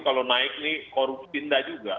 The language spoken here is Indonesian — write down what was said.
kalau naik ini korup tindak juga